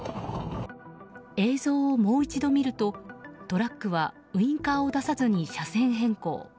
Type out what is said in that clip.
映像をもう一度見るとトラックはウインカーを出さずに車線変更。